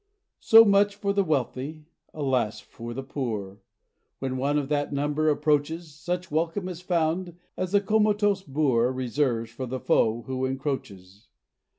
So much for the wealthy; alas for the poor! When one of that number approaches, Such welcome is found, as the comatose boor Reserves for the foe who encroaches.